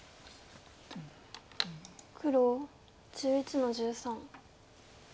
黒１１の十三。